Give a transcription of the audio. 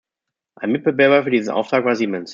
Ein Mitbewerber für diesen Auftrag war Siemens.